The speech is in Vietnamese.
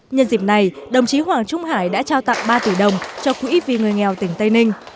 nhân dịp này đồng chí hoàng trung hải đã trao tặng ba tỷ đồng cho quỹ vì người nghèo tỉnh tây ninh